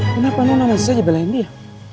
kenapa lu sama sisa jebelain dia